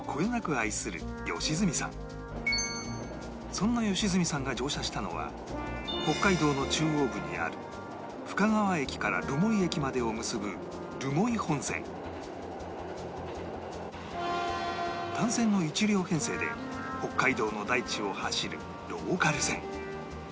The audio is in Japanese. そんな良純さんが乗車したのは北海道の中央部にある深川駅から留萌駅までを結ぶ単線の１両編成で北海道の大地を走るローカル線